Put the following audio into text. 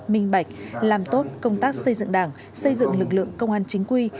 minh bạch làm tốt công tác xây dựng đảng xây dựng lực lượng công an chính quy